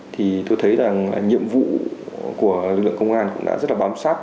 thì tôi thấy rằng nhiệm vụ của lực lượng công an cũng đã rất là bám sát